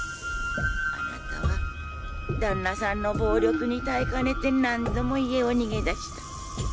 あなたは旦那さんの暴力に耐えかねて何度も家を逃げ出した。